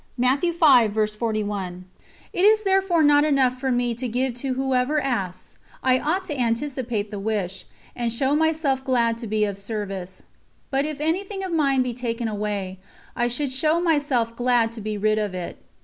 " It is therefore not enough for me to give to whoever asks I ought to anticipate the wish, and show myself glad to be of service; but if anything of mine be taken away, I should show myself glad to be rid of it.